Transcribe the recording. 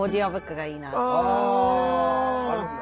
あるんだ？